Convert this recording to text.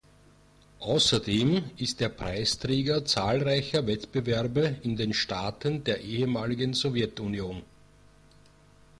Außerdem ist er Preisträger zahlreicher Wettbewerbe in den Staaten der ehemaligen Sowjetunion.